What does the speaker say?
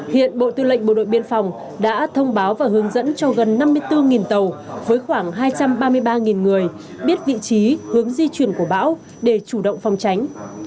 hiện bộ tư lệnh bộ đội biên phòng đã thông báo và hướng dẫn cho gần năm mươi bốn tàu với khoảng hai trăm ba mươi ba người biết vị trí hướng di chuyển của bão để chủ động phòng tránh